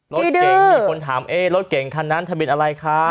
รถเก๋งมีคนถามรถเก่งคันนั้นทะเบียนอะไรคะ